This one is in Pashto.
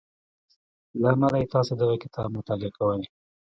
له امله یې تاسې دغه کتاب مطالعه کوئ